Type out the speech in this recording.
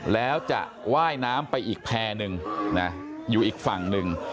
แล้วจะว่ายน้ำไปอีกแพรหนึ่งนะอยู่อีกฝั่งหนึ่ง